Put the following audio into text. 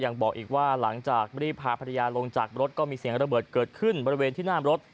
ยังบอกอีกว่าหลังจากรีบพาภรรยาลงจากรถก็มีเสียงระเบิดเกิดขึ้นบริเวณที่หน้ารถ